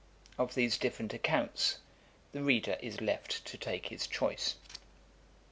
Of these different accounts the reader is left to take his choice. II.